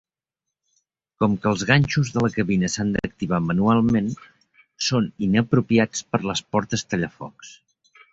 Com que els ganxos de la cabina s'han d'activar manualment, són inapropiats per les portes tallafocs.